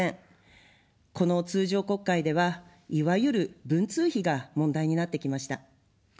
この通常国会では、いわゆる文通費が問題になってきました。